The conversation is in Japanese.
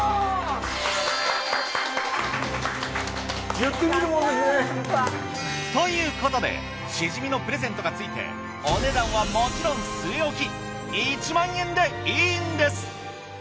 言ってみるもんですね。ということでしじみのプレゼントが付いてお値段はもちろん据え置き１万円でいいんです。